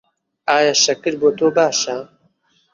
ئایا شەکر بۆ تۆ باشە؟